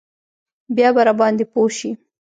بيا به راباندې پوه سي.